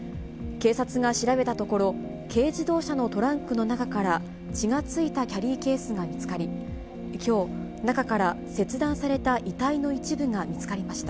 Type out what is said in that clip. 警察が調べたところ、軽自動車のトランクの中から、血がついたキャリーケースが見つかり、きょう、中から切断された遺体の一部が見つかりました。